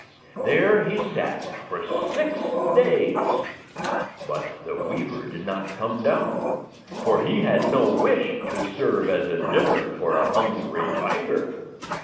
133 There he sat for six days; but the weaver did not come down, for he had no wish to serve as a dinner for a hungry tiger.